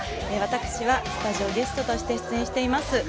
私はスタジオゲストとして出演しています。